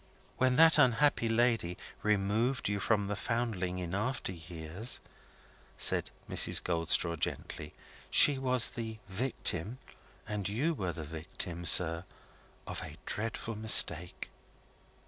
"When that unhappy lady removed you from the Foundling, in after years," said Mrs. Goldstraw, gently, "she was the victim, and you were the victim, sir, of a dreadful mistake."